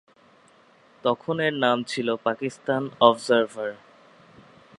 তখন এর নাম ছিল পাকিস্তান অবজার্ভার।